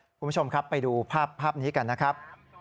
คุณผู้ชมครับไปดูภาพนี้กันนะครับ